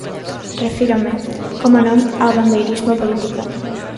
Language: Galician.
Refírome, como non, ao bandeirismo político.